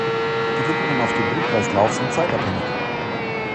Die Wirkungen auf den Blutkreislauf sind zeitabhängig.